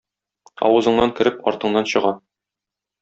Авызыңнан кереп артыңнан чыга.